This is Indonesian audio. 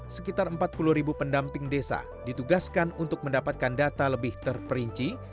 sekitar empat puluh ribu pendamping desa ditugaskan untuk mendapatkan data lebih terperinci